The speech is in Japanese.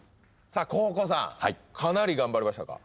さあ黄皓さんかなり頑張りましたか？